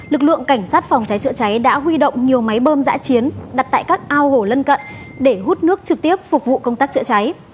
lực lượng cảnh sát phòng cháy chữa cháy đã huy động nhiều máy bơm giã chiến đặt tại các ao hồ lân cận để hút nước trực tiếp phục vụ công tác chữa cháy